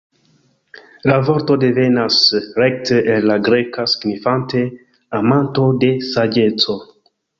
La vorto devenas rekte el la greka signifante "Amanto de saĝeco".